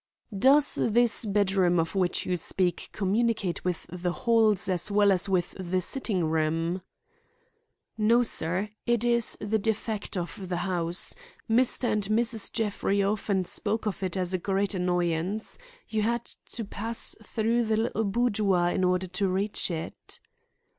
"Does this bed room of which you speak communicate with the hall as well as with the sitting room?" "No, sir; it is the defect of the house. Mr. and Mrs. Jeffrey often spoke of it as a great annoyance. You had to pass through the little boudoir in order to reach it."